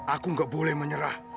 aku gak boleh menyerah